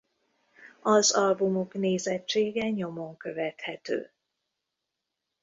Az albumok nézettsége nyomon követhető.